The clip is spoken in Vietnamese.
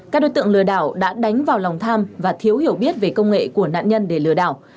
các đối tượng lừa đảo đã đánh vào lòng tham và thiếu hiểu biết về công nghệ của nạn nhân để lừa đảo